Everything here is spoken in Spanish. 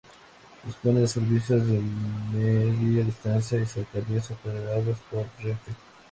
Dispone de servicios de Media Distancia y Cercanías operados por Renfe.